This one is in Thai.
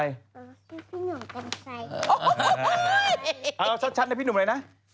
ไม่อยากเป็นใครกับเน็ตพลอย